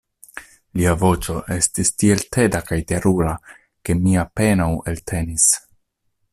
Lia voĉo estis tiel teda kaj terura ke mi apenaŭ eltenis.